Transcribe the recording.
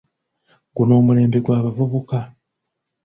Guno omulembe gw'abavubuka.